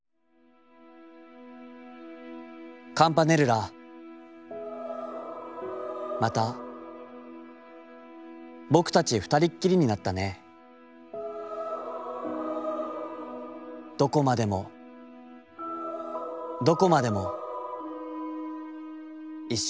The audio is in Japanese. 「『カムパネルラ、また僕たち二人っきりになったねえ、どこまでもどこまでも一緒に行かう。